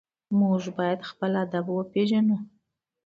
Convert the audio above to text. موږ باید خپل ادب وپېژنو.